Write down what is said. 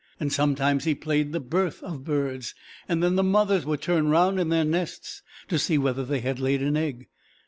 and sometimes he played the birth of birds, and then the mothers would turn round in their nests to see whether they had laid an egg.